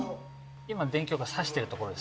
今電極は挿してるところです